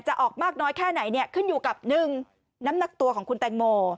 ออกมากน้อยแค่ไหนเนี่ยขึ้นอยู่กับหนึ่งน้ำหนักตัวของคุณแตงโม